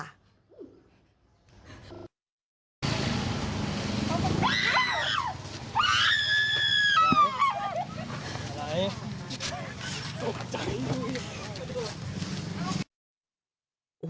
อะไรโทษจัง